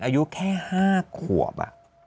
อายุแค่๕ขวบ